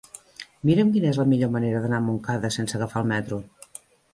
Mira'm quina és la millor manera d'anar a Montcada sense agafar el metro.